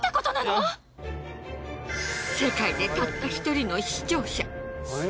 世界でたった１人の視聴者。